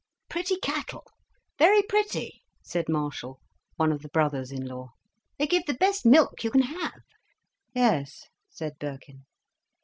"Pretty cattle, very pretty," said Marshall, one of the brothers in law. "They give the best milk you can have." "Yes," said Birkin.